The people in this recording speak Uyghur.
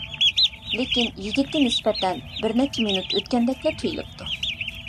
لېكىن يىگىتكە نىسبەتەن بىرنەچچە مىنۇت ئۆتكەندەكلا تۇيۇلۇپتۇ.